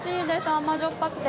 甘じょっぱくて。